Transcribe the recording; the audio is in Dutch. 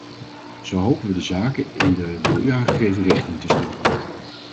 Zo hopen we de zaken in de door u aangegeven richting te sturen.